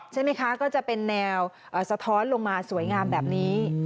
ใช่ไหมคะก็จะเป็นแนวสะท้อนลงมาสวยงามแบบนี้